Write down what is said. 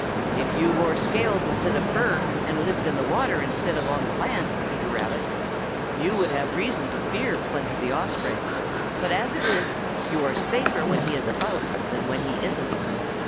If you wore scales instead of fur, and lived in the water instead of on the land, Peter Rabbit, you would have reason to fear Plunger the Osprey, but as it is, you are safer when he is about than when he isn't.